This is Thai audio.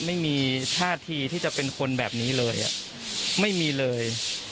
ไม่มีท่าทีที่จะเป็นคนแบบนี้เลยไม่มีเลย